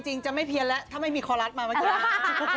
จริงจะไม่เพียนแล้วถ้าไม่มีคอลัสมาเมื่อไหร่